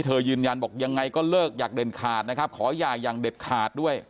ยืนยันบอกยังไงก็เลิกอยากเด็ดขาดนะครับขอหย่าอย่างเด็ดขาดด้วย